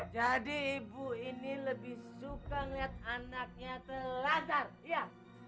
jadi ibu ini lebih suka ngelihat anaknya telantar iya